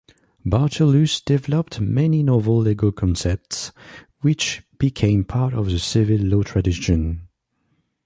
Bartolus developed many novel legal concepts, which became part of the civil law tradition.